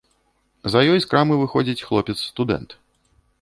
За ёй з крамы выходзіць хлопец-студэнт.